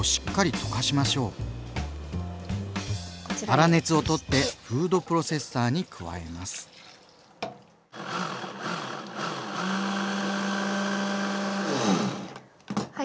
粗熱を取ってフードプロセッサーに加えます。